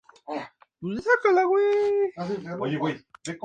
Tenía la intención de acercarse a las tradiciones de sus antepasados.